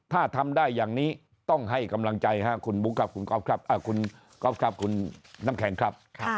ถ้าทำได้อย่างนี้ต้องให้กำลังใจคุณน้ำแข็งครับ